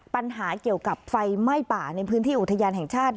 ปัญหาเกี่ยวกับไฟไหม้ป่าในพื้นที่อุทยานแห่งชาติ